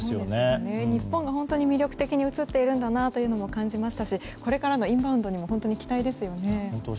日本が本当に魅力的に映っているんだなと感じましたし、これからのインバウンドにも本当に期待ですよね。